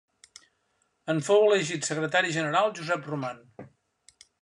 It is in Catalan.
En fou elegit secretari general Josep Roman.